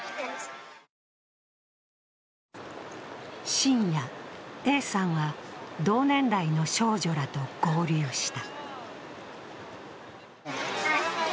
深夜、Ａさんは同年代の少女らと合流した。